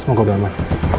semoga udah aman